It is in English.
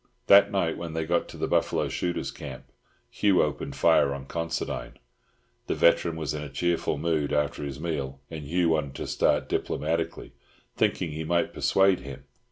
That night, when they got to the buffalo shooters' camp, Hugh opened fire on Considine. The veteran was in a cheerful mood after his meal, and Hugh wanted to start diplomatically, thinking he might persuade him.